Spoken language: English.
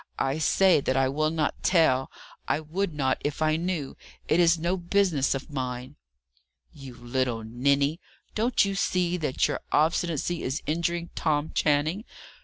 I say that I will not tell. I would not if I knew. It is no business of mine." "You little ninny! Don't you see that your obstinacy is injuring Tom Channing?